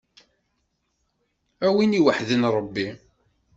A win iweḥden Ṛebbi.